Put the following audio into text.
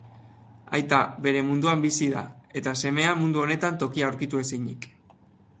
Aita, bere munduan bizi da eta semea mundu honetan tokia aurkitu ezinik.